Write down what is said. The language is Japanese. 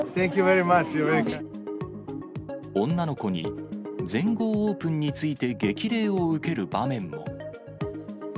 女の子に全豪オープンについて激励を受ける場面も。